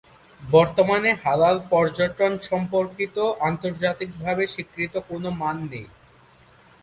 বর্তমানে হালাল পর্যটন সম্পর্কিত আন্তর্জাতিকভাবে স্বীকৃত কোন মান নেই।